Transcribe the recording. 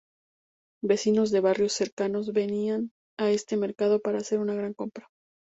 Vecinos de barrios cercanos venían a este mercado para hacer una gran compra.